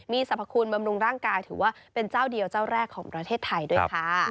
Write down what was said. สรรพคุณบำรุงร่างกายถือว่าเป็นเจ้าเดียวเจ้าแรกของประเทศไทยด้วยค่ะ